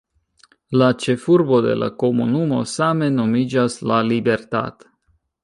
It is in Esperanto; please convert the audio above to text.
La ĉefurbo de la komunumo same nomiĝas La Libertad.